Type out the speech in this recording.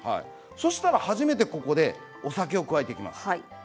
そしたら初めてここでお酒を加えていきます。